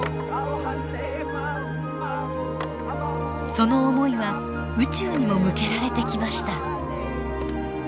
その思いは宇宙にも向けられてきました。